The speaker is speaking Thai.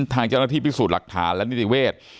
ทางเจ้าหน้าที่พิสูจน์หลักฐานและนิติเวทย์